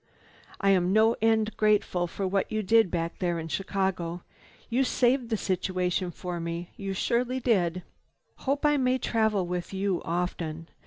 I am no end grateful for what you did back there in Chicago. You saved the situation for me, you surely did! Hope I may travel with you often.